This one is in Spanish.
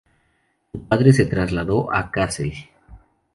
Su padre se trasladó a Kassel.